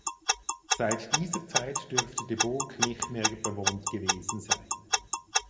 Seit dieser Zeit dürfte die Burg nicht mehr bewohnt gewesen sein.